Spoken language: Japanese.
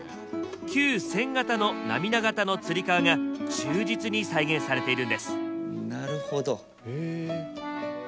旧１０００形の涙型のつり革が忠実に再現されているんです。